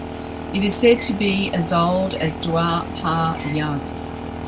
It is said to be as old as Dwapar Yug.